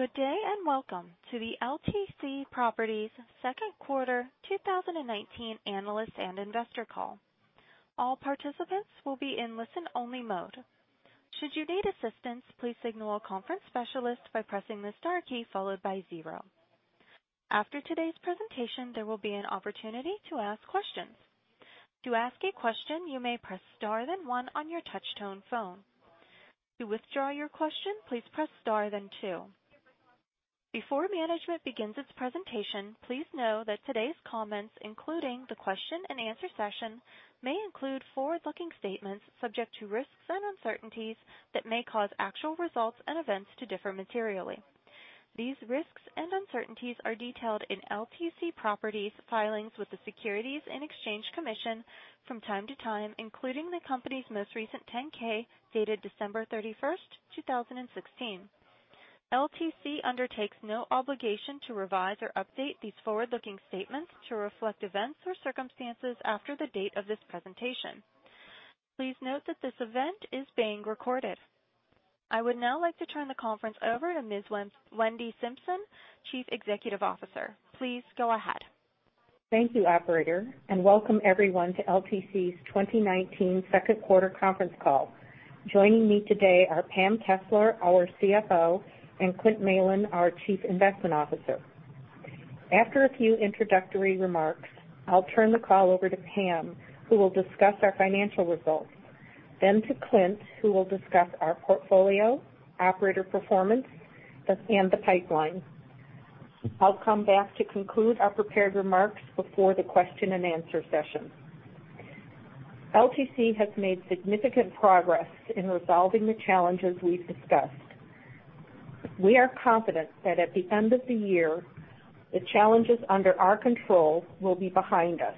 Good day, and welcome to the LTC Properties second quarter 2019 analyst and investor call. All participants will be in listen-only mode. Should you need assistance, please signal a conference specialist by pressing the star key followed by zero. After today's presentation, there will be an opportunity to ask questions. To ask a question, you may press star then one on your touch tone phone. To withdraw your question, please press star then two. Before management begins its presentation, please know that today's comments, including the question and answer session, may include forward-looking statements subject to risks and uncertainties that may cause actual results and events to differ materially. These risks and uncertainties are detailed in LTC Properties filings with the Securities and Exchange Commission from time to time, including the company's most recent 10-K, dated December 31st, 2016. LTC undertakes no obligation to revise or update these forward-looking statements to reflect events or circumstances after the date of this presentation. Please note that this event is being recorded. I would now like to turn the conference over to Ms. Wendy Simpson, Chief Executive Officer. Please go ahead. Thank you, Operator, and welcome everyone to LTC's 2019 second quarter conference call. Joining me today are Pam Kessler, our CFO, and Clint Malin, our Chief Investment Officer. After a few introductory remarks, I'll turn the call over to Pam, who will discuss our financial results, then to Clint, who will discuss our portfolio, operator performance, and the pipeline. I'll come back to conclude our prepared remarks before the question and answer session. LTC has made significant progress in resolving the challenges we've discussed. We are confident that at the end of the year, the challenges under our control will be behind us,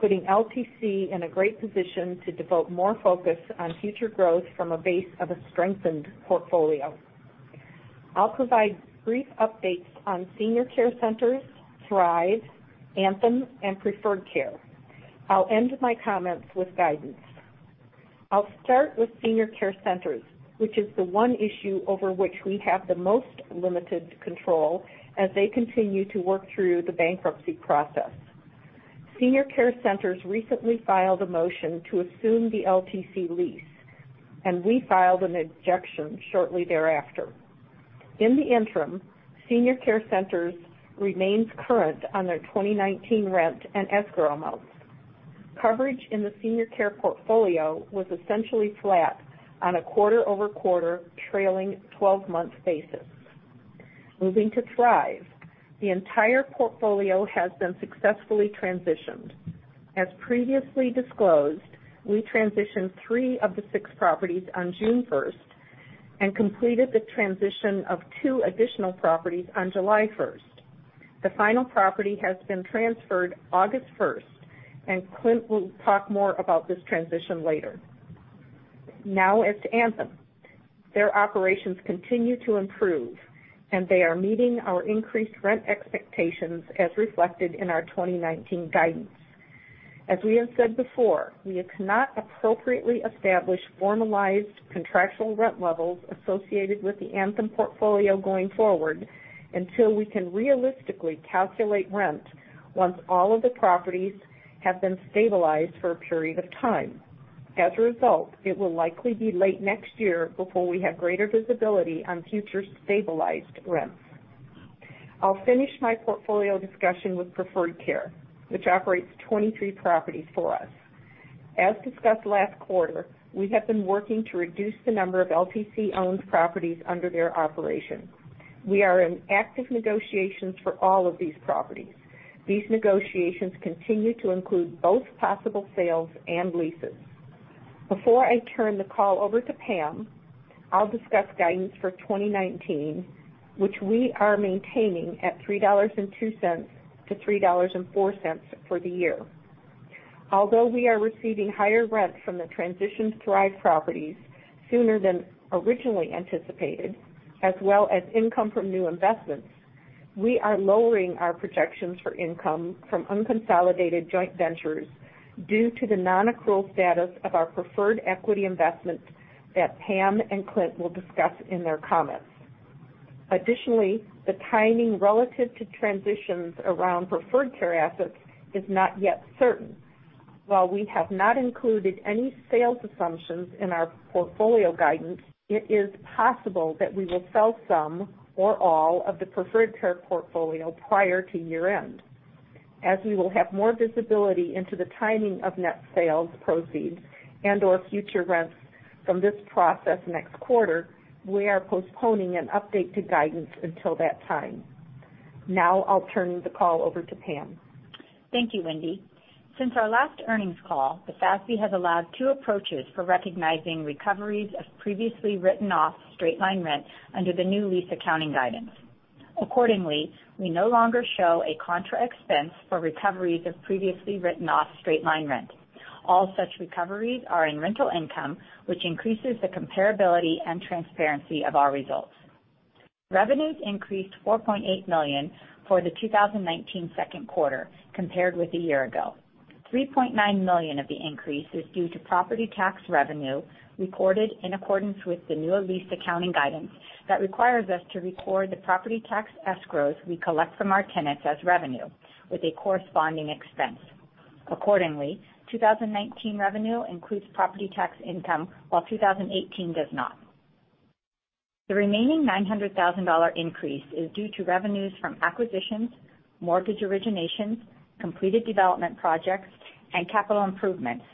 putting LTC in a great position to devote more focus on future growth from a base of a strengthened portfolio. I'll provide brief updates on Senior Care Centers, Thrive, Anthem, and Preferred Care. I'll end my comments with guidance. I'll start with Senior Care Centers, which is the one issue over which we have the most limited control as they continue to work through the bankruptcy process. Senior Care Centers recently filed a motion to assume the LTC lease. We filed an objection shortly thereafter. In the interim, Senior Care Centers remains current on their 2019 rent and escrow amounts. Coverage in the Senior Care portfolio was essentially flat on a quarter-over-quarter trailing 12-month basis. Moving to Thrive, the entire portfolio has been successfully transitioned. As previously disclosed, we transitioned three of the six properties on June 1st and completed the transition of two additional properties on July 1st. The final property has been transferred August 1st. Clint will talk more about this transition later. Now on to Anthem. Their operations continue to improve, and they are meeting our increased rent expectations as reflected in our 2019 guidance. As we have said before, we cannot appropriately establish formalized contractual rent levels associated with the Anthem portfolio going forward until we can realistically calculate rent once all of the properties have been stabilized for a period of time. As a result, it will likely be late next year before we have greater visibility on future stabilized rents. I'll finish my portfolio discussion with Preferred Care, which operates 23 properties for us. As discussed last quarter, we have been working to reduce the number of LTC-owned properties under their operation. We are in active negotiations for all of these properties. These negotiations continue to include both possible sales and leases. Before I turn the call over to Pam, I'll discuss guidance for 2019, which we are maintaining at $3.02-$3.04 for the year. Although we are receiving higher rents from the transitioned Thrive properties sooner than originally anticipated, as well as income from new investments, we are lowering our projections for income from unconsolidated joint ventures due to the non-accrual status of our preferred equity investment that Pam and Clint will discuss in their comments. Additionally, the timing relative to transitions around Preferred Care assets is not yet certain. While we have not included any sales assumptions in our portfolio guidance, it is possible that we will sell some or all of the Preferred Care portfolio prior to year-end. As we will have more visibility into the timing of net sales proceeds and/or future rents from this process next quarter, we are postponing an update to guidance until that time. Now I'll turn the call over to Pam. Thank you, Wendy. Since our last earnings call, the FASB has allowed two approaches for recognizing recoveries of previously written off straight-line rent under the new lease accounting guidance. Accordingly, we no longer show a contra expense for recoveries of previously written off straight-line rent. All such recoveries are in rental income, which increases the comparability and transparency of our results. Revenues increased $4.8 million for the 2019 second quarter compared with a year ago. $3.9 million of the increase is due to property tax revenue reported in accordance with the new lease accounting guidance that requires us to record the property tax escrows we collect from our tenants as revenue with a corresponding expense. Accordingly, 2019 revenue includes property tax income, while 2018 does not. The remaining $900,000 increase is due to revenues from acquisitions, mortgage originations, completed development projects, and capital improvements,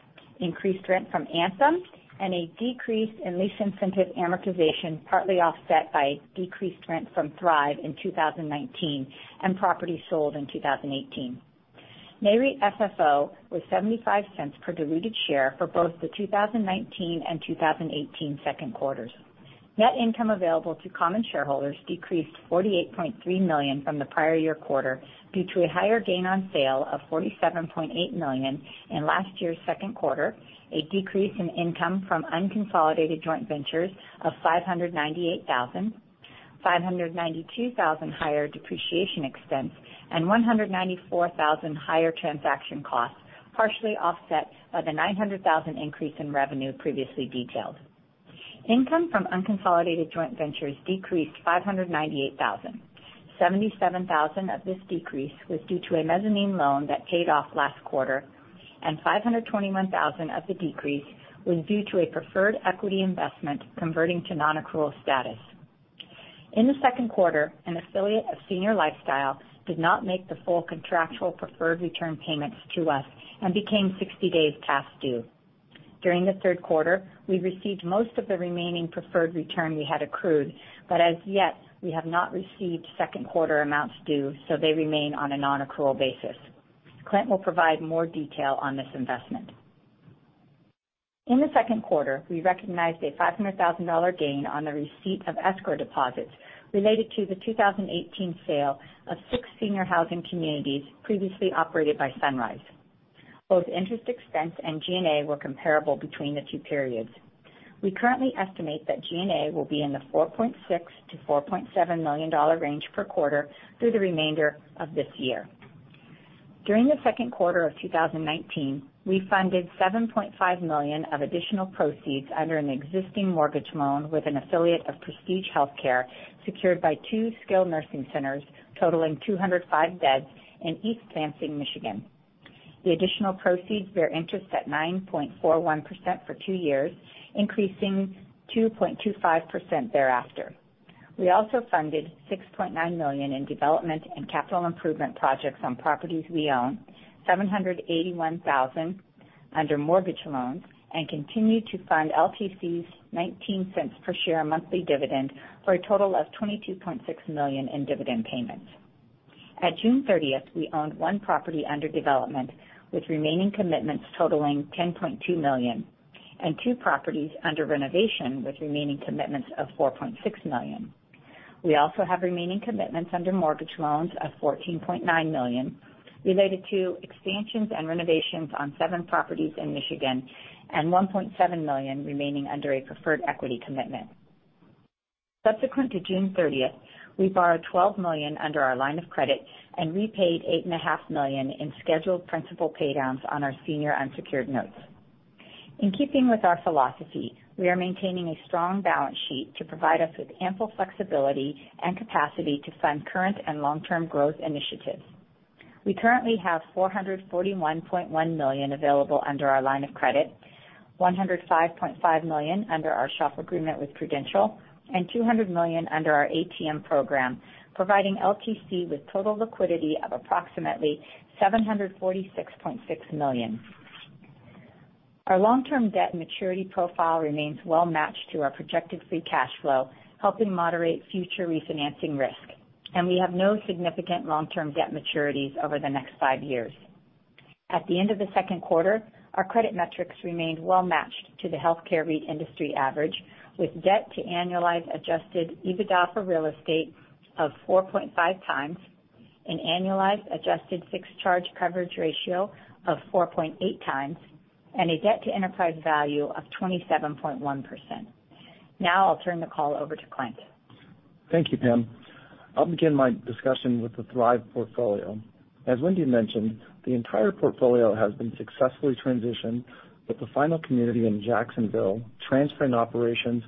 increased rent from Anthem, and a decrease in lease incentive amortization, partly offset by decreased rent from Thrive in 2019 and property sold in 2018. Nareit FFO was $0.75 per diluted share for both the 2019 and 2018 second quarters. Net income available to common shareholders decreased $48.3 million from the prior year quarter due to a higher gain on sale of $47.8 million in last year's second quarter, a decrease in income from unconsolidated joint ventures of $598,000, $592,000 higher depreciation expense, and $194,000 higher transaction costs, partially offset by the $900,000 increase in revenue previously detailed. Income from unconsolidated joint ventures decreased $598,000. 77,000 of this decrease was due to a mezzanine loan that paid off last quarter, and 521,000 of the decrease was due to a preferred equity investment converting to non-accrual status. In the second quarter, an affiliate of Senior Lifestyle did not make the full contractual preferred return payments to us and became 60 days past due. During the third quarter, we received most of the remaining preferred return we had accrued, but as yet, we have not received second quarter amounts due, so they remain on a non-accrual basis. Clint will provide more detail on this investment. In the second quarter, we recognized a $500,000 gain on the receipt of escrow deposits related to the 2018 sale of six senior housing communities previously operated by Sunrise. Both interest expense and G&A were comparable between the two periods. We currently estimate that G&A will be in the $4.6 million-$4.7 million range per quarter through the remainder of this year. During the second quarter of 2019, we funded $7.5 million of additional proceeds under an existing mortgage loan with an affiliate of Prestige Healthcare, secured by two skilled nursing centers totaling 205 beds in East Lansing, Michigan. The additional proceeds bear interest at 9.41% for two years, increasing 2.25% thereafter. We also funded $6.9 million in development and capital improvement projects on properties we own, $781,000 under mortgage loans, and continue to fund LTC's $0.19 per share monthly dividend for a total of $22.6 million in dividend payments. At June 30th, we owned one property under development with remaining commitments totaling $10.2 million and two properties under renovation with remaining commitments of $4.6 million. We also have remaining commitments under mortgage loans of $14.9 million related to expansions and renovations on seven properties in Michigan and $1.7 million remaining under a preferred equity commitment. Subsequent to June 30th, we borrowed $12 million under our line of credit and repaid $8.5 million in scheduled principal paydowns on our senior unsecured notes. In keeping with our philosophy, we are maintaining a strong balance sheet to provide us with ample flexibility and capacity to fund current and long-term growth initiatives. We currently have $441.1 million available under our line of credit, $105.5 million under our SHOP agreement with Prudential, and $200 million under our ATM program, providing LTC with total liquidity of approximately $746.6 million. Our long-term debt maturity profile remains well-matched to our projected free cash flow, helping moderate future refinancing risk, and we have no significant long-term debt maturities over the next five years. At the end of the second quarter, our credit metrics remained well-matched to the healthcare REIT industry average with debt to annualized adjusted EBITDA for real estate of 4.5 times and annualized adjusted fixed charge coverage ratio of 4.8 times, and a debt to enterprise value of 27.1%. Now, I'll turn the call over to Clint. Thank you, Pam. I'll begin my discussion with the Thrive portfolio. As Wendy mentioned, the entire portfolio has been successfully transitioned with the final community in Jacksonville transferring operations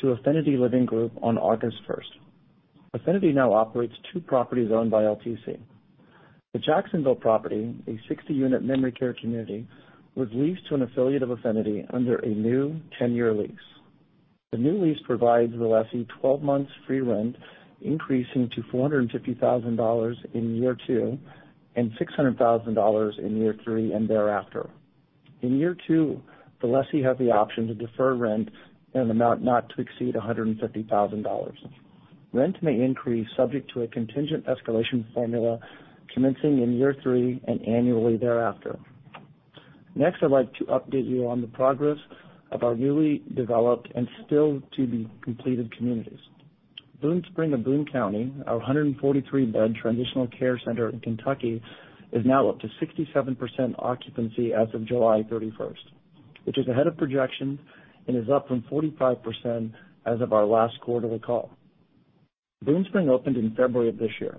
to Affinity Living Group on August 1st. Affinity now operates two properties owned by LTC. The Jacksonville property, a 60-unit memory care community, was leased to an affiliate of Affinity under a new 10-year lease. The new lease provides the lessee 12 months free rent, increasing to $450,000 in year two and $600,000 in year three and thereafter. In year two, the lessee has the option to defer rent in an amount not to exceed $150,000. Rent may increase subject to a contingent escalation formula commencing in year three and annually thereafter. I'd like to update you on the progress of our newly developed and still-to-be-completed communities. Boonespring of Boone County, our 143-bed transitional care center in Kentucky, is now up to 67% occupancy as of July 31st, which is ahead of projections and is up from 45% as of our last quarterly call. Boonespring opened in February of this year.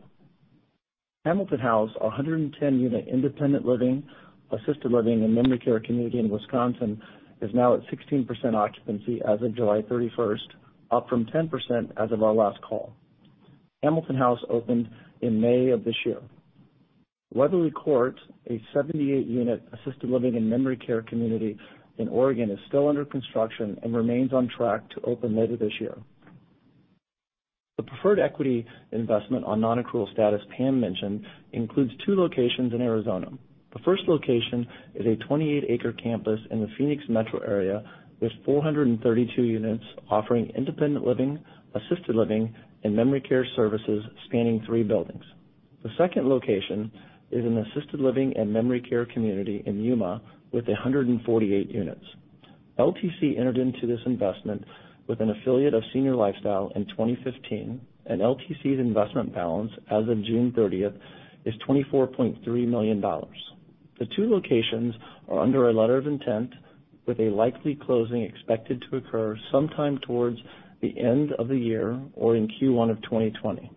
Hamilton House, a 110-unit independent living, assisted living, and memory care community in Wisconsin, is now at 16% occupancy as of July 31st, up from 10% as of our last call. Hamilton House opened in May of this year. Weatherly Court, a 78-unit assisted living and memory care community in Oregon, is still under construction and remains on track to open later this year. The preferred equity investment on non-accrual status Pam mentioned includes two locations in Arizona. The first location is a 28-acre campus in the Phoenix Metro area with 432 units offering independent living, assisted living, and memory care services spanning three buildings. The second location is an assisted living and memory care community in Yuma with 148 units. LTC entered into this investment with an affiliate of Senior Lifestyle in 2015, and LTC's investment balance as of June 30th is $24.3 million. The two locations are under a letter of intent with a likely closing expected to occur sometime towards the end of the year or in Q1 of 2020.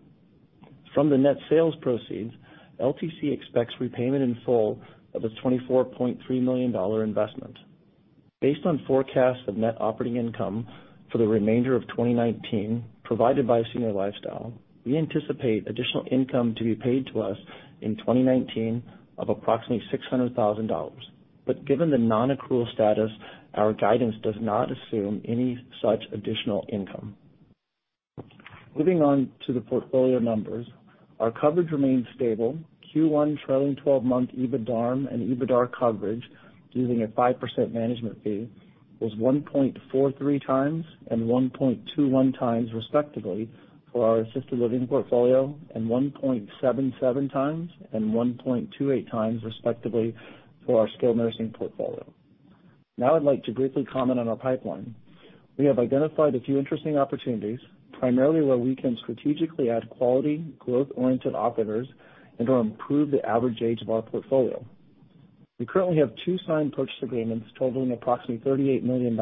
From the net sales proceeds, LTC expects repayment in full of its $24.3 million investment. Based on forecasts of net operating income for the remainder of 2019 provided by Senior Lifestyle, we anticipate additional income to be paid to us in 2019 of approximately $600,000. Given the non-accrual status, our guidance does not assume any such additional income. Moving on to the portfolio numbers, our coverage remains stable. Q1 trailing 12-month EBITDARM and EBITDA coverage using a 5% management fee was 1.43 times and 1.21 times, respectively, for our assisted living portfolio, and 1.77 times and 1.28 times, respectively, for our skilled nursing portfolio. I'd like to briefly comment on our pipeline. We have identified a few interesting opportunities, primarily where we can strategically add quality, growth-oriented operators and/or improve the average age of our portfolio. We currently have two signed purchase agreements totaling approximately $38 million.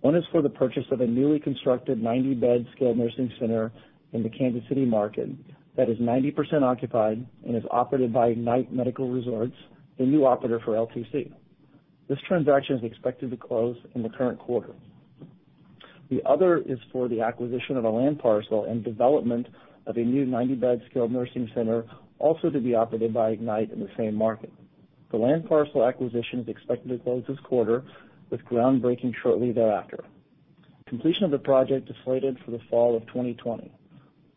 One is for the purchase of a newly constructed 90-bed skilled nursing center in the Kansas City market that is 90% occupied and is operated by Ignite Medical Resorts, the new operator for LTC. This transaction is expected to close in the current quarter. The other is for the acquisition of a land parcel and development of a new 90-bed skilled nursing center, also to be operated by Ignite in the same market. The land parcel acquisition is expected to close this quarter, with groundbreaking shortly thereafter. Completion of the project is slated for the fall of 2020.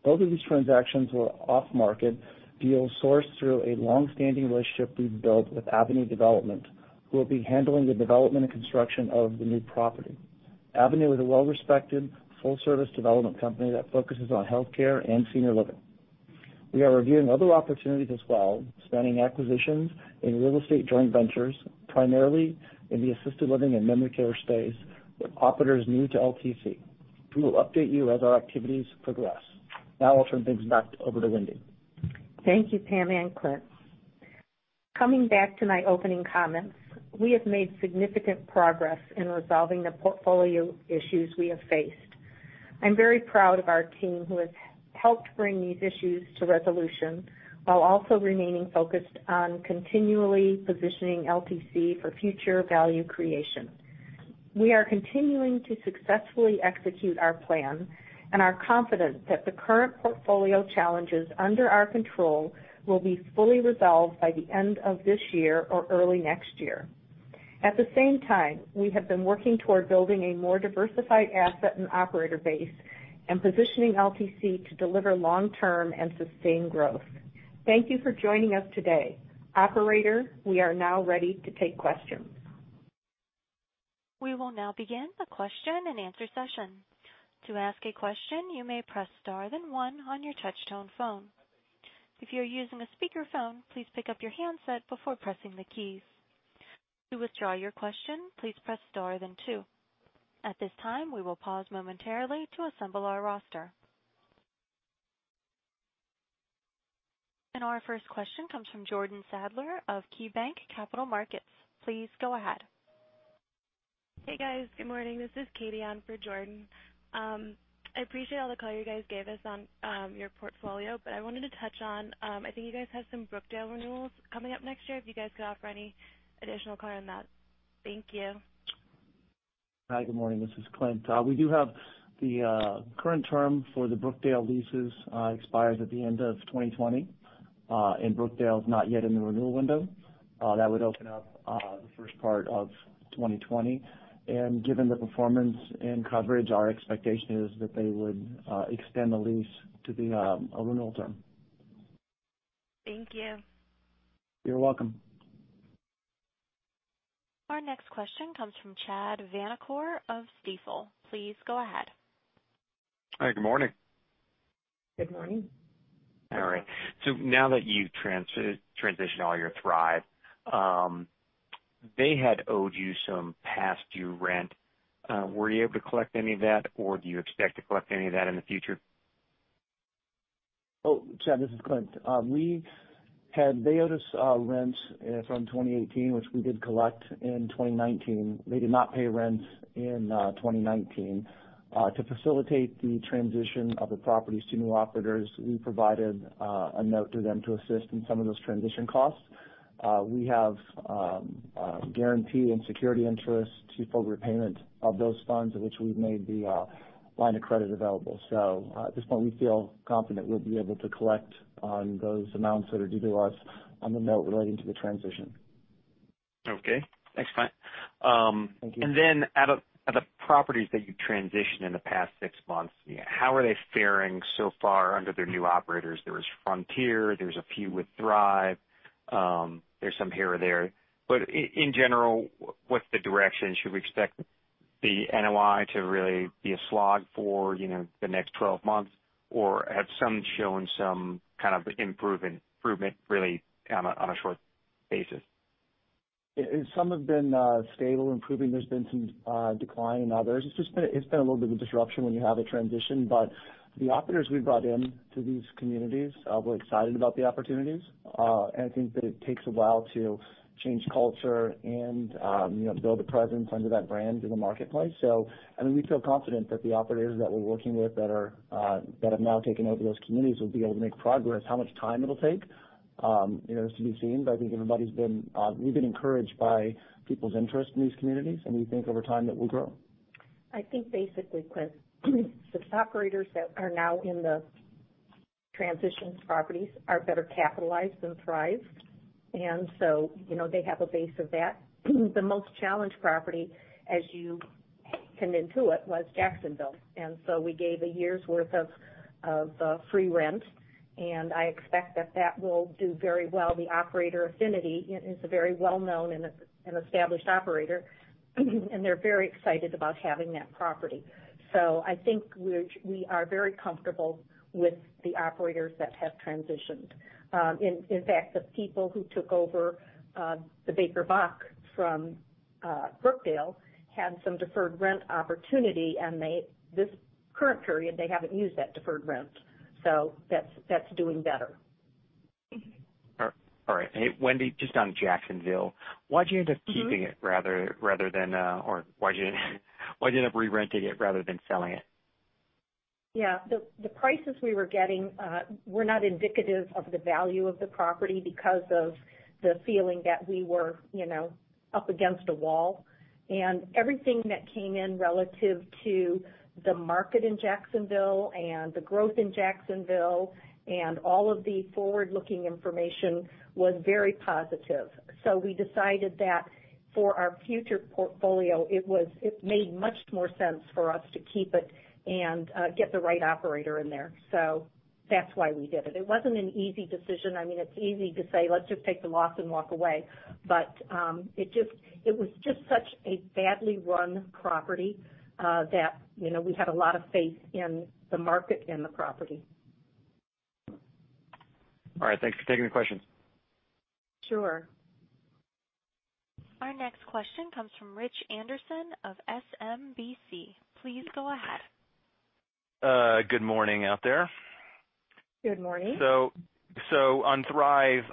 Both of these transactions were off-market deals sourced through a longstanding relationship we've built with Avenue Development, who will be handling the development and construction of the new property. Avenue is a well-respected, full-service development company that focuses on healthcare and senior living. We are reviewing other opportunities as well, spanning acquisitions in real estate joint ventures, primarily in the assisted living and memory care space, with operators new to LTC. We will update you as our activities progress. Now I'll turn things back over to Wendy. Thank you, Pam and Clint. Coming back to my opening comments, we have made significant progress in resolving the portfolio issues we have faced. I'm very proud of our team, who have helped bring these issues to resolution while also remaining focused on continually positioning LTC for future value creation. We are continuing to successfully execute our plan and are confident that the current portfolio challenges under our control will be fully resolved by the end of this year or early next year. At the same time, we have been working toward building a more diversified asset and operator base and positioning LTC to deliver long-term and sustained growth. Thank you for joining us today. Operator, we are now ready to take questions. We will now begin the question and answer session. To ask a question, you may press star then one on your touch-tone phone. If you are using a speakerphone, please pick up your handset before pressing the keys. To withdraw your question, please press star then two. At this time, we will pause momentarily to assemble our roster. Our first question comes from Jordan Sadler of KeyBanc Capital Markets. Please go ahead. Hey, guys. Good morning. This is Katie on for Jordan. I appreciate all the color you guys gave us on your portfolio, I wanted to touch on, I think you guys have some Brookdale renewals coming up next year, if you guys could offer any additional color on that. Thank you. Hi. Good morning. This is Clint. We do have the current term for the Brookdale leases expires at the end of 2020. Brookdale is not yet in the renewal window. That would open up the first part of 2020. Given the performance and coverage, our expectation is that they would extend the lease to the renewal term. Thank you. You're welcome. Our next question comes from Chad Vanacore of Stifel. Please go ahead. Hi. Good morning. Good morning. All right. Now that you've transitioned all your Thrive, they had owed you some past due rent. Were you able to collect any of that, or do you expect to collect any of that in the future? Chad, this is Clint. We had they owed us rent from 2018, which we did collect in 2019. They did not pay rent in 2019. To facilitate the transition of the properties to new operators, we provided a note to them to assist in some of those transition costs. We have a guarantee and security interest to full repayment of those funds, which we've made the line of credit available. At this point, we feel confident we'll be able to collect on those amounts that are due to us on the note relating to the transition. Okay. Thanks, Clint. Thank you. Out of the properties that you transitioned in the past six months, how are they faring so far under their new operators? There was Frontier, there's a few with Thrive. There's some here or there. In general, what's the direction? Should we expect the NOI to really be a slog for the next 12 months? Have some shown some kind of improvement really on a short basis? Some have been stable, improving. There's been some decline in others. It's been a little bit of disruption when you have a transition, but the operators we've brought into these communities were excited about the opportunities. I think that it takes a while to change culture and build a presence under that brand in the marketplace. We feel confident that the operators that we're working with that have now taken over those communities will be able to make progress. How much time it'll take is to be seen, but I think we've been encouraged by people's interest in these communities, and we think over time that will grow. I think basically, Clint, the operators that are now in the transitions properties are better capitalized than Thrive. They have a base of that. The most challenged property, as you can intuit, was Jacksonville. We gave a year's worth of free rent, and I expect that that will do very well. The operator, Affinity, is a very well-known and established operator, and they're very excited about having that property. I think we are very comfortable with the operators that have transitioned. In fact, the people who took over the Bakersfield Portfolio from Brookdale had some deferred rent opportunity, and this current period, they haven't used that deferred rent. That's doing better. All right. Hey, Wendy, just on Jacksonville, why'd you end up re-renting it rather than selling it? Yeah. The prices we were getting were not indicative of the value of the property because of the feeling that we were up against a wall. Everything that came in relative to the market in Jacksonville and the growth in Jacksonville and all of the forward-looking information was very positive. We decided that for our future portfolio, it made much more sense for us to keep it and get the right operator in there. That's why we did it. It wasn't an easy decision. It's easy to say, "Let's just take the loss and walk away." It was just such a badly run property that we had a lot of faith in the market and the property. All right. Thanks for taking the questions. Sure. Our next question comes from Rich Anderson of SMBC. Please go ahead. Good morning out there. Good morning. On Thrive,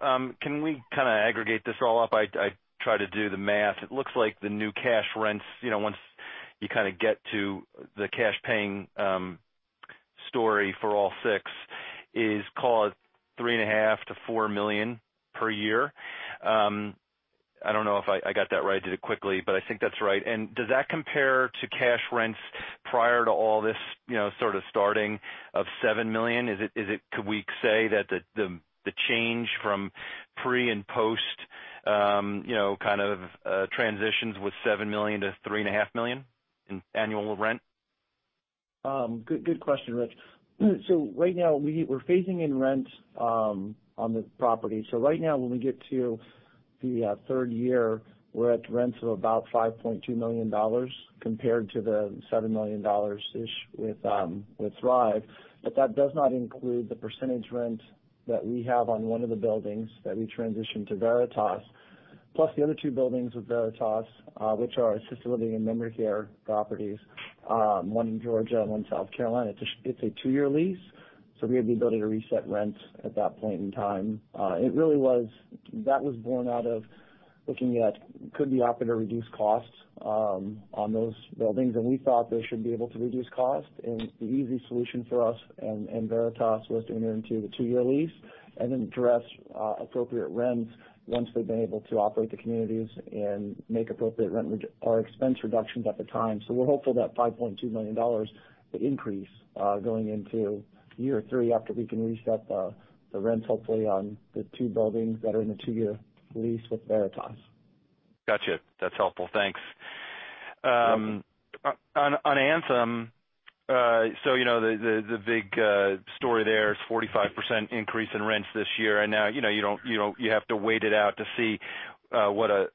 can we aggregate this all up? I tried to do the math. It looks like the new cash rents, once you get to the cash paying story for all six, is call it $3.5 million-$4 million per year. I don't know if I got that right. I did it quickly, but I think that's right. Does that compare to cash rents prior to all this starting of $7 million? Could we say that the change from pre and post transitions was $7 million to $3.5 million in annual rent? Good question, Rich. Right now, we're phasing in rents on the property. Right now, when we get to the third year, we're at rents of about $5.2 million compared to the $7 million-ish with Thrive. That does not include the percentage rent that we have on one of the buildings that we transitioned to Veritas. Plus the other two buildings with Veritas, which are assisted living and memory care properties, one in Georgia and one in South Carolina. It's a two-year lease, we have the ability to reset rent at that point in time. That was born out of looking at could the operator reduce costs on those buildings, and we thought they should be able to reduce costs, and the easy solution for us and Veritas was to enter into the two-year lease and then address appropriate rents once they've been able to operate the communities and make appropriate rent or expense reductions at the time. We're hopeful that $5.2 million increase going into year three after we can reset the rents hopefully on the two buildings that are in the two-year lease with Veritas. Got you. That's helpful. Thanks. You're welcome. Anthem, the big story there is 45% increase in rents this year. Now you have to wait it out to see what a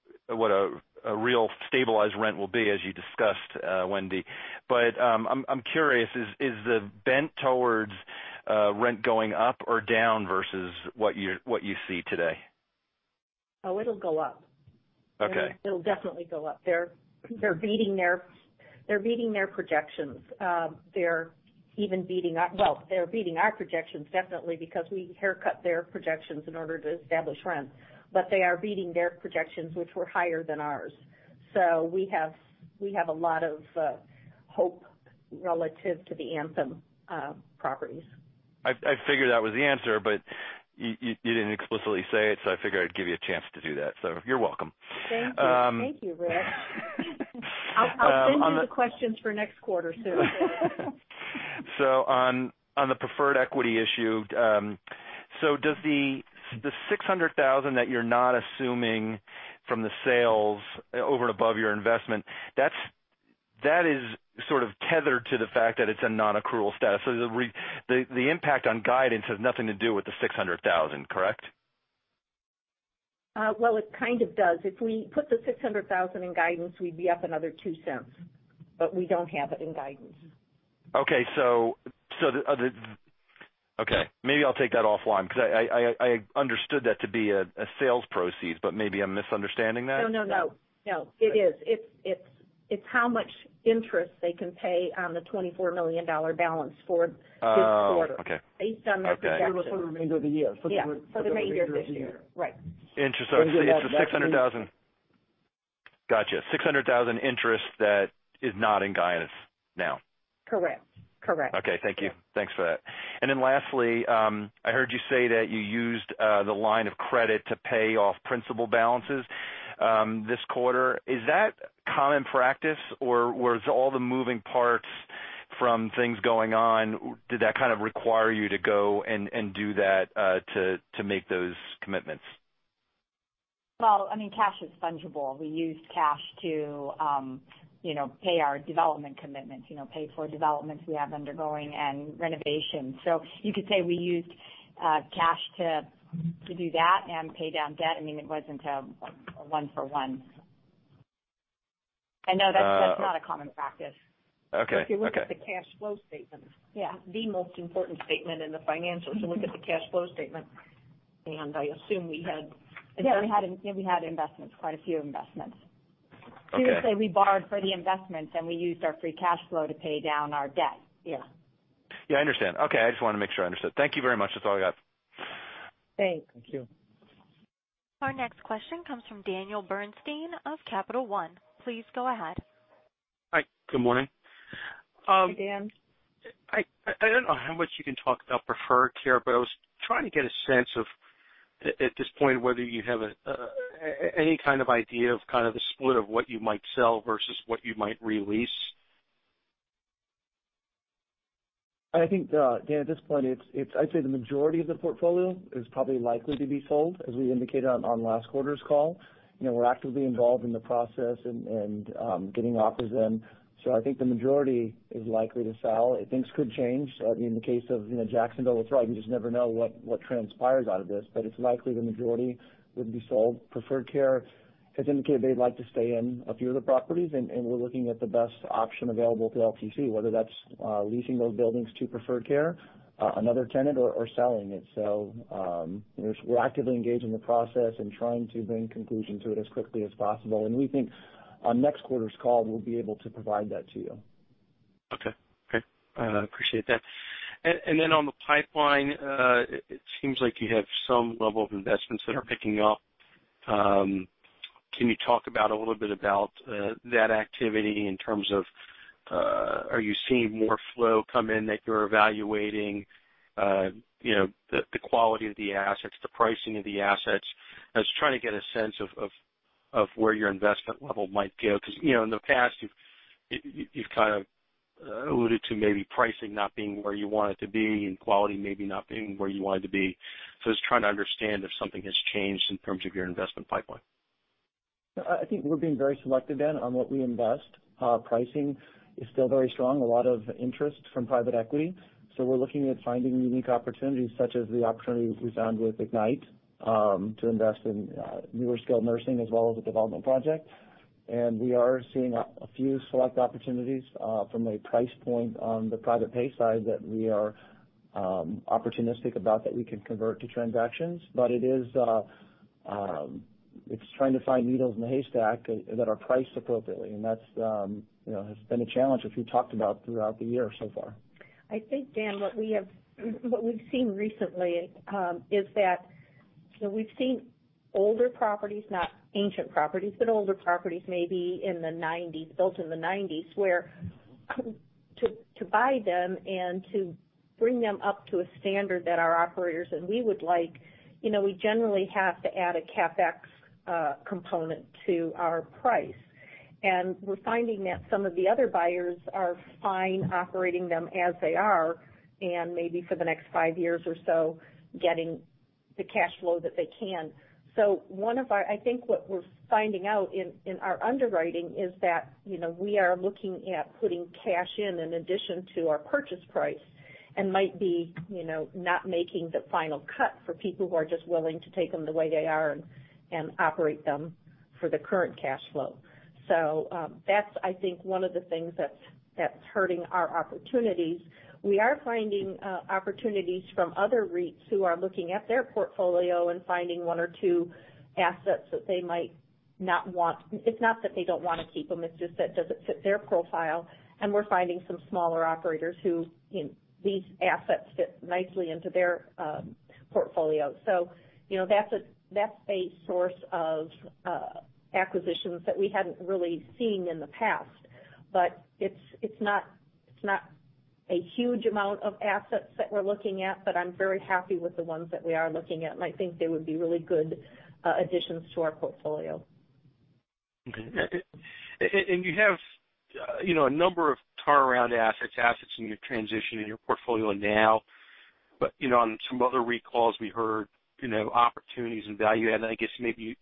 real stabilized rent will be, as you discussed, Wendy. I'm curious, is the bent towards rent going up or down versus what you see today? Oh, it'll go up. Okay. It'll definitely go up. They're beating their projections. They're even beating Well, they're beating our projections, definitely, because we haircut their projections in order to establish rent, but they are beating their projections, which were higher than ours. We have a lot of hope relative to the Anthem properties. I figured that was the answer, but you didn't explicitly say it, so I figured I'd give you a chance to do that, so you're welcome. Thank you. Thank you, Rick. I'll send you the questions for next quarter soon. On the preferred equity issue, so does the $600,000 that you're not assuming from the sales over and above your investment, that is sort of tethered to the fact that it's a non-accrual status. The impact on guidance has nothing to do with the $600,000, correct? Well, it kind of does. If we put the $600,000 in guidance, we'd be up another $0.02. We don't have it in guidance. Okay. Maybe I'll take that offline because I understood that to be a sales proceed, but maybe I'm misunderstanding that. No. It is. It's how much interest they can pay on the $24 million balance for this quarter. Oh, okay. based on their projections. For the remainder of the year. Yeah. For the remainder of this year. Right. Interesting. Gotcha. $600,000 interest that is not in guidance now. Correct. Okay. Thank you. Thanks for that. Lastly, I heard you say that you used the line of credit to pay off principal balances this quarter. Is that common practice, or was all the moving parts from things going on, did that kind of require you to go and do that, to make those commitments? Well, cash is fungible. We used cash to pay our development commitments, pay for developments we have undergoing and renovations. You could say we used cash to do that and pay down debt. It wasn't a one for one. No, that's not a common practice. Okay. If you look at the cash flow statement. Yeah. The most important statement in the financials. Look at the cash flow statement. Yeah. We had investments, quite a few investments. Okay. You say we borrowed for the investments, and we used our free cash flow to pay down our debt. Yeah. Yeah, I understand. Okay. I just wanted to make sure I understood. Thank you very much. That's all I got. Thanks. Thank you. Our next question comes from Daniel Bernstein of Capital One. Please go ahead. Hi. Good morning. Hi, Dan. I don't know how much you can talk about Preferred Care, but I was trying to get a sense of, at this point, whether you have any kind of idea of kind of the split of what you might sell versus what you might re-lease. I think, Dan, at this point, I'd say the majority of the portfolio is probably likely to be sold, as we indicated on last quarter's call. We're actively involved in the process and getting offers in. I think the majority is likely to sell. Things could change in the case of Jacksonville. You just never know what transpires out of this, but it's likely the majority would be sold. Preferred Care has indicated they'd like to stay in a few of the properties, and we're looking at the best option available to LTC, whether that's leasing those buildings to Preferred Care, another tenant, or selling it. We're actively engaged in the process and trying to bring conclusion to it as quickly as possible. We think on next quarter's call, we'll be able to provide that to you. Okay. Great. I appreciate that. On the pipeline, it seems like you have some level of investments that are picking up. Can you talk about a little bit about that activity in terms of, are you seeing more flow come in that you're evaluating, the quality of the assets, the pricing of the assets? I was trying to get a sense of where your investment level might go, because, in the past, you've kind of alluded to maybe pricing not being where you want it to be and quality maybe not being where you want it to be. I was trying to understand if something has changed in terms of your investment pipeline. I think we're being very selective, Dan, on what we invest. Pricing is still very strong. A lot of interest from private equity. We're looking at finding unique opportunities, such as the opportunity we found with Ignite, to invest in newer skilled nursing, as well as a development project. We are seeing a few select opportunities from a price point on the private pay side that we are opportunistic about that we can convert to transactions. It's trying to find needles in the haystack that are priced appropriately, and that has been a challenge, which we talked about throughout the year so far. I think, Dan, what we've seen recently is that we've seen older properties, not ancient properties, but older properties maybe in the '90s, built in the '90s, where to buy them and to bring them up to a standard that our operators and we would like, we generally have to add a CapEx component to our price. We're finding that some of the other buyers are fine operating them as they are and maybe for the next five years or so getting the cash flow that they can. I think what we're finding out in our underwriting is that we are looking at putting cash in addition to our purchase price and might be not making the final cut for people who are just willing to take them the way they are and operate them for the current cash flow. That's, I think, one of the things that's hurting our opportunities. We are finding opportunities from other REITs who are looking at their portfolio and finding one or two assets that they might. It's not that they don't want to keep them, it's just that it doesn't fit their profile. We're finding some smaller operators who these assets fit nicely into their portfolio. That's a source of acquisitions that we hadn't really seen in the past. It's not a huge amount of assets that we're looking at, but I'm very happy with the ones that we are looking at, and I think they would be really good additions to our portfolio. Okay. You have a number of turnaround assets in your transition in your portfolio now. On some other recalls, we heard opportunities and value add, and I guess maybe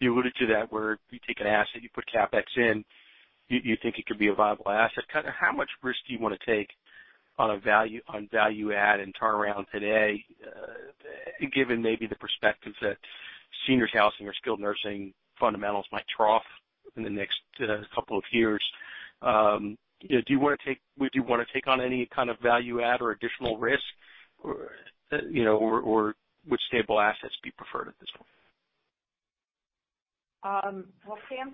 you alluded to that, where you take an asset, you put CapEx in, you think it could be a viable asset. How much risk do you want to take on value add and turnaround today, given maybe the perspectives that seniors housing or skilled nursing fundamentals might trough in the next couple of years? Do you want to take on any kind of value add or additional risk, or would stable assets be preferred at this point? Dan,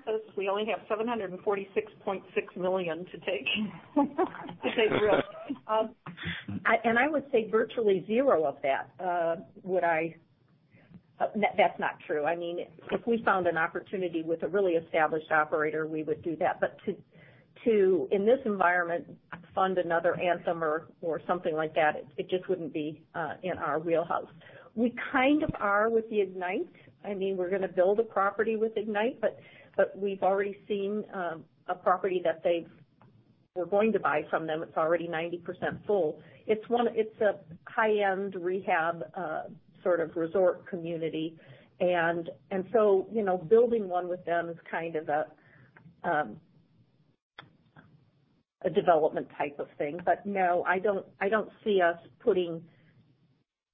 since we only have $746.6 million to take risks. I would say virtually zero of that. That's not true. If we found an opportunity with a really established operator, we would do that. To, in this environment, fund another Anthem or something like that, it just wouldn't be in our wheelhouse. We kind of are with the Ignite. We're going to build a property with Ignite, we've already seen a property that we're going to buy from them. It's already 90% full. It's a high-end rehab sort of resort community, building one with them is kind of a development type of thing. No, I don't see us putting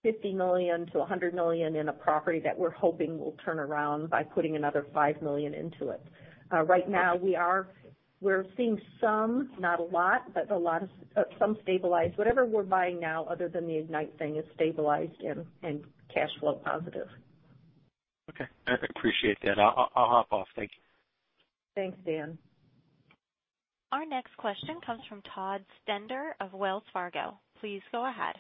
$50 million-$100 million in a property that we're hoping will turn around by putting another $5 million into it. Right now, we're seeing some, not a lot, but some stabilized. Whatever we're buying now, other than the Ignite thing, is stabilized and cash flow positive. Okay. I appreciate that. I'll hop off. Thank you. Thanks, Dan. Our next question comes from Todd Stender of Wells Fargo. Please go ahead.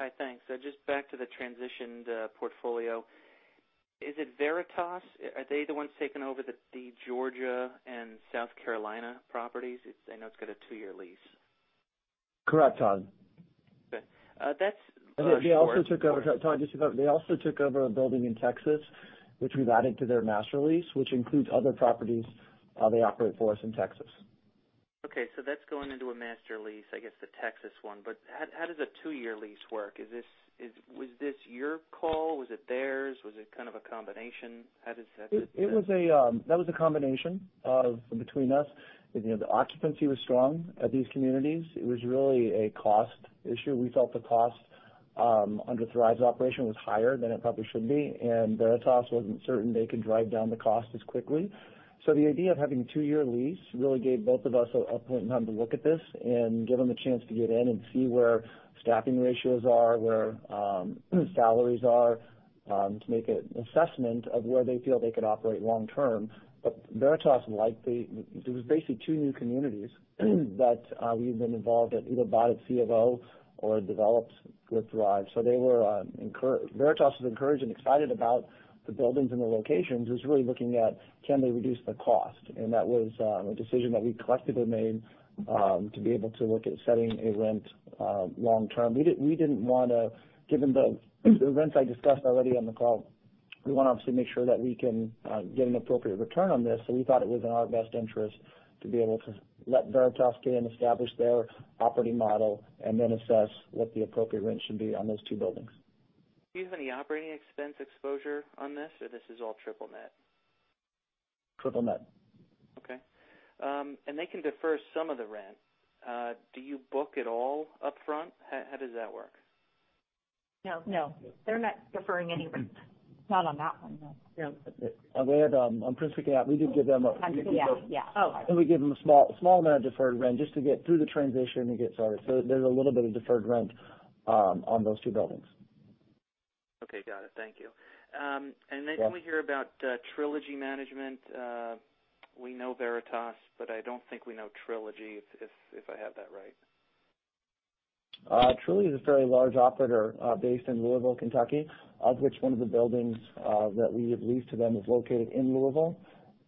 All right, thanks. Just back to the transitioned portfolio. Is it Veritas? Are they the ones taking over the Georgia and South Carolina properties? I know it's got a two-year lease. Correct, Todd. Okay. Todd, this is Bob. They also took over a building in Texas, which we've added to their master lease, which includes other properties they operate for us in Texas. Okay, that's going into a master lease, I guess the Texas one. How does a two-year lease work? Was this your call? Was it theirs? Was it kind of a combination? That was a combination between us. The occupancy was strong at these communities. It was really a cost issue. We felt the cost under Thrive's operation was higher than it probably should be, and Veritas wasn't certain they could drive down the cost as quickly. The idea of having a two-year lease really gave both of us a point in time to look at this and give them a chance to get in and see where staffing ratios are, where salaries are, to make an assessment of where they feel they could operate long term. Veritas liked it was basically two new communities that we've been involved in, either bought it CFO or developed with Thrive. Veritas was encouraged and excited about the buildings and the locations. It was really looking at can they reduce the cost? That was a decision that we collectively made, to be able to look at setting a rent long term. Given the events I discussed already on the call, we want to obviously make sure that we can get an appropriate return on this. We thought it was in our best interest to be able to let Veritas get in, establish their operating model, and then assess what the appropriate rent should be on those two buildings. Do you have any operating expense exposure on this, or this is all triple net? Triple net. Okay. They can defer some of the rent. Do you book it all upfront? How does that work? No, they're not deferring any rent. Not on that one, no. No. On Princeton Cap, we did give them a- Yeah. Oh. We gave them a small amount of deferred rent just to get through the transition and get started. There's a little bit of deferred rent on those two buildings. Okay, got it. Thank you. Yeah. Can we hear about Trilogy Management? We know Veritas, but I don't think we know Trilogy, if I have that right. Trilogy is a very large operator based in Louisville, Kentucky, of which one of the buildings that we have leased to them is located in Louisville.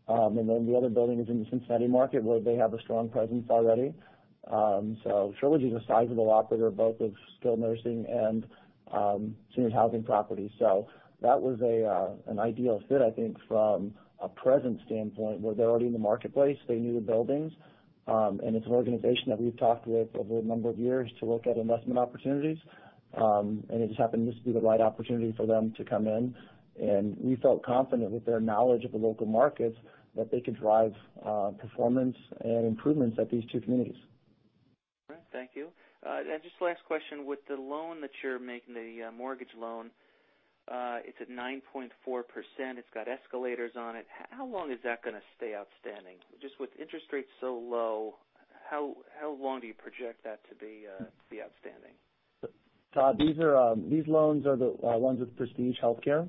The other building is in the Cincinnati market, where they have a strong presence already. Trilogy is a sizable operator, both of skilled nursing and seniors housing properties. That was an ideal fit, I think, from a presence standpoint, where they're already in the marketplace, they knew the buildings. It's an organization that we've talked with over a number of years to look at investment opportunities. It just happened this to be the right opportunity for them to come in. We felt confident with their knowledge of the local markets, that they could drive performance and improvements at these two communities. All right, thank you. Just last question. With the loan that you're making, the mortgage loan, it's at 9.4%. It's got escalators on it. How long is that going to stay outstanding? Just with interest rates so low, how long do you project that to be outstanding? Todd, these loans are the ones with Prestige Healthcare,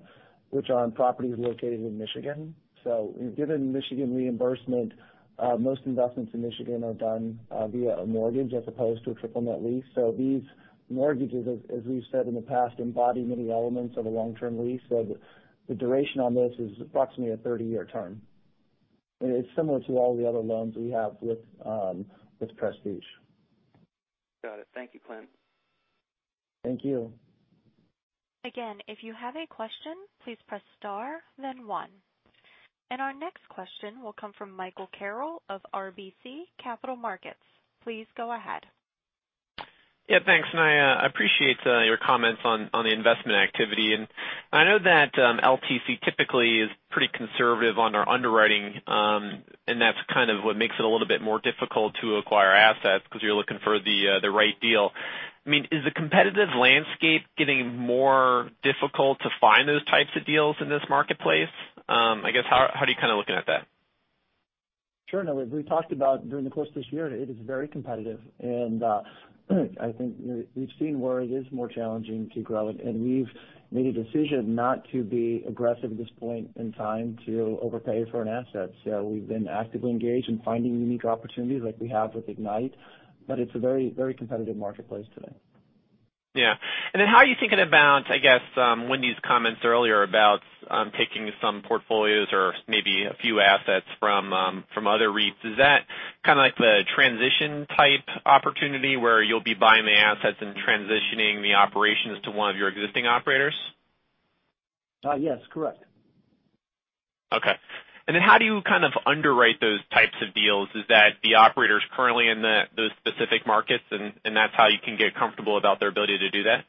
which are on properties located in Michigan. Given Michigan reimbursement, most investments in Michigan are done via a mortgage as opposed to a triple net lease. These mortgages, as we've said in the past, embody many elements of a long-term lease. The duration on this is approximately a 30-year term. It's similar to all the other loans we have with Prestige. Got it. Thank you, Clint. Thank you. Again, if you have a question, please press star then one. Our next question will come from Michael Carroll of RBC Capital Markets. Please go ahead. Yeah, thanks. I appreciate your comments on the investment activity, and I know that LTC typically is pretty conservative on our underwriting, and that's what makes it a little bit more difficult to acquire assets because you're looking for the right deal. Is the competitive landscape getting more difficult to find those types of deals in this marketplace? How are you looking at that? Sure. No, we've talked about during the course of this year, it is very competitive, and I think we've seen where it is more challenging to grow, and we've made a decision not to be aggressive at this point in time to overpay for an asset. We've been actively engaged in finding unique opportunities like we have with Ignite, it's a very competitive marketplace today. Yeah. Then how are you thinking about, I guess, Wendy's comments earlier about taking some portfolios or maybe a few assets from other REITs? Is that the transition type opportunity where you'll be buying the assets and transitioning the operations to one of your existing operators? Yes, correct. Okay. How do you underwrite those types of deals? Is that the operators currently in those specific markets, and that's how you can get comfortable about their ability to do that?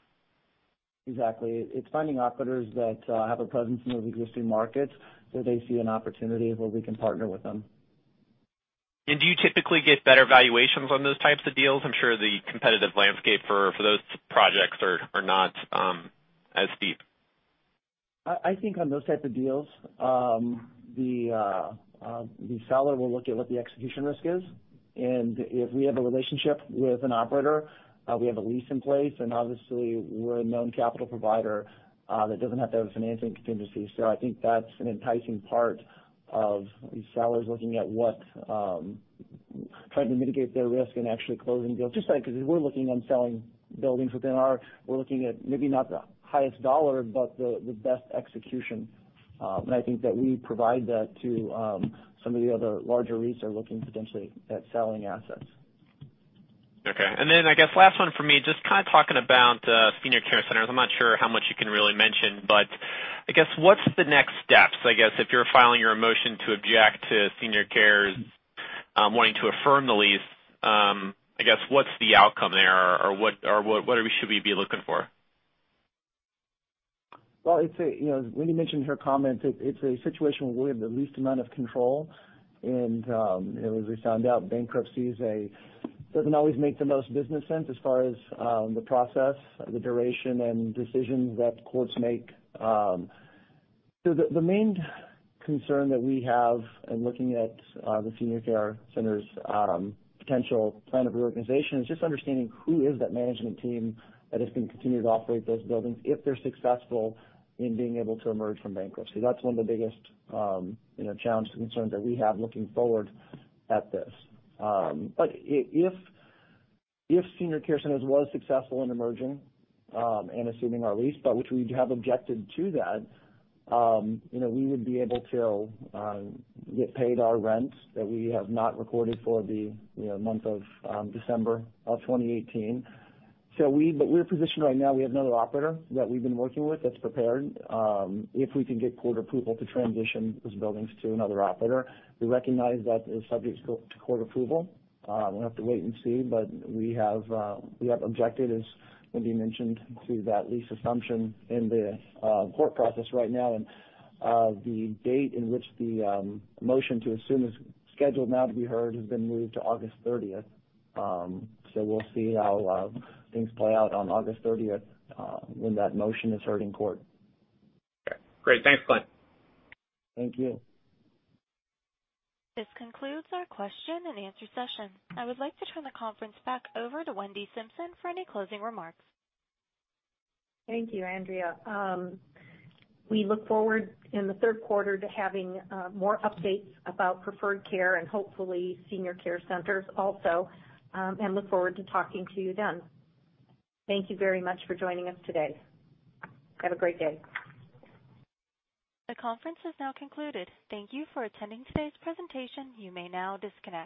Exactly. It's finding operators that have a presence in those existing markets where they see an opportunity where we can partner with them. Do you typically get better valuations on those types of deals? I'm sure the competitive landscape for those projects are not as steep. I think on those types of deals, the seller will look at what the execution risk is, and if we have a relationship with an operator, we have a lease in place, and obviously we're a known capital provider that doesn't have to have a financing contingency. I think that's an enticing part of the sellers looking at trying to mitigate their risk and actually closing deals. Just like as we're looking on selling buildings, we're looking at maybe not the highest dollar, but the best execution. I think that we provide that to some of the other larger REITs that are looking potentially at selling assets. Okay. I guess last one from me, just kind of talking about Senior Care Centers. I'm not sure how much you can really mention, I guess, what's the next steps? If you're filing your motion to object to Senior Care wanting to affirm the lease, what's the outcome there, or what should we be looking for? Wendy mentioned in her comments, it's a situation where we have the least amount of control, and as we found out, bankruptcies doesn't always make the most business sense as far as the process, the duration, and decisions that courts make. The main concern that we have in looking at the Senior Care Centers' potential plan of reorganization is just understanding who is that management team that is going to continue to operate those buildings if they're successful in being able to emerge from bankruptcy. That's one of the biggest challenge and concerns that we have looking forward at this. If Senior Care Centers was successful in emerging and assuming our lease, but which we have objected to that, we would be able to get paid our rent that we have not recorded for the month of December of 2018. We're positioned right now. We have another operator that we've been working with that's prepared if we can get court approval to transition those buildings to another operator. We recognize that it's subject to court approval. We'll have to wait and see. We have objected, as Wendy mentioned, to that lease assumption in the court process right now. The date in which the motion to assume is scheduled now to be heard has been moved to August 30th. We'll see how things play out on August 30th when that motion is heard in court. Okay, great. Thanks, Clint. Thank you. This concludes our question and answer session. I would like to turn the conference back over to Wendy Simpson for any closing remarks. Thank you, Andrea. We look forward in the third quarter to having more updates about Preferred Care and hopefully Senior Care Centers also, and look forward to talking to you then. Thank you very much for joining us today. Have a great day. The conference is now concluded. Thank you for attending today's presentation. You may now disconnect.